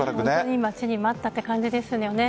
待ちに待ったって感じですよね。